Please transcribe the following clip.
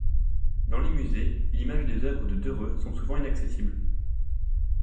Dans les musées, l'image des œuvres de Dereux sont souvent inaccessibles.